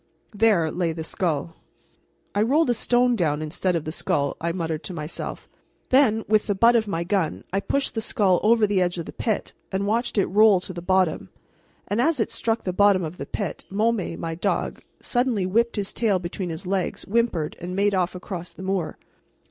There lay the skull. "I rolled a stone down instead of the skull," I muttered to myself. Then with the butt of my gun I pushed the skull over the edge of the pit and watched it roll to the bottom; and as it struck the bottom of the pit, Môme, my dog, suddenly whipped his tail between his legs, whimpered, and made off across the moor.